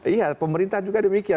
iya pemerintah juga demikian